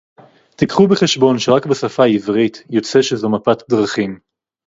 תיקחו בחשבון שרק בשפה העברית יוצא שזו מפת דרכים